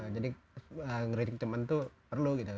jadi mengkritik teman itu perlu gitu